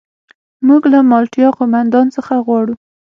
موږ له مالټا قوماندان څخه غواړو.